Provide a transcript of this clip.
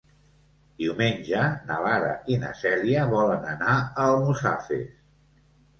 Diumenge na Lara i na Cèlia volen anar a Almussafes.